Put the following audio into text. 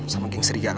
kamu udah lihat